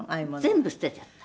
「全部捨てちゃった」